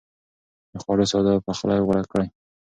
د خوړو ساده پخلی غوره کړئ.